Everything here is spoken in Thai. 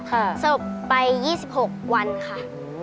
ค่ะสลบไป๒๖วันค่ะ